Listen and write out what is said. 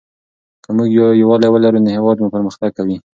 که موږ یووالي ولرو نو هېواد مو پرمختګ کوي.